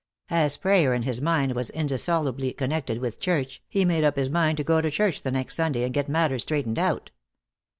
As prayer in his mind was indissolubly connected with church, he made up his mind to go to church the next Sunday and get matters straightened out.